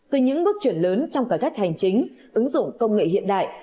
từ những bước chuyển lớn trong cải cách hành chính ứng dụng công nghệ hiện đại